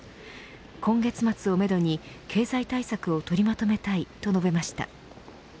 今月末をめどに経済対策を取りまとめたいと述べました。